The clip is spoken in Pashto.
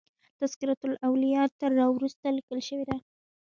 تذکرة الاولیاء تر را وروسته لیکل شوی دی.